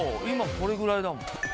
今これぐらいだもん。